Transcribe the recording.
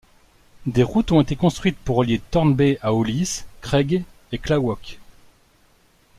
Des routes ont été construites pour relier Thorne Bay à Hollis, Craig et Klawock.